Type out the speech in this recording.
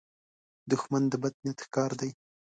دښمن د بد نیت ښکار دی